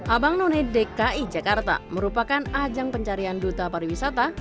abang none dki jakarta merupakan ajang pencarian duta pariwisata